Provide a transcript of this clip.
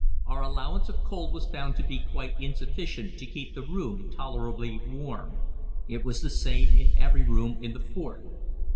Our allowance of coal was found to be quite insufficient to keep the room tolerably warm. It was the same in every room in the fort.